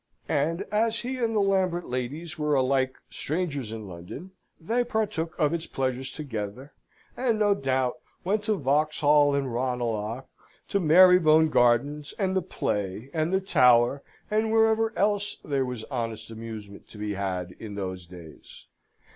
And as he and the Lambert ladies were alike strangers in London, they partook of its pleasures together, and, no doubt, went to Vauxhall and Ranelagh, to Marybone Gardens, and the play, and the Tower, and wherever else there was honest amusement to be had in those days.